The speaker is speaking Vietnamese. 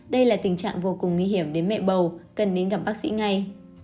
đây là tình trạng vô cùng nguy hiểm đến mẹ bầu cần đến gặp bác sĩ ngay